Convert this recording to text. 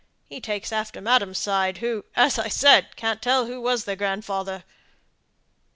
He takes after madam's side, who, as I said, can't tell who was her grandfather.